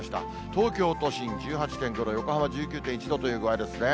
東京都心１８．５度、横浜１９．１度という具合ですね。